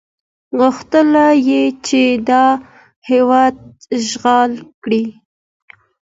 غوښتل یې چې دا هېواد اشغال کړي.